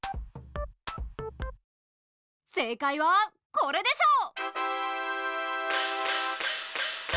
正解はこれでしょう。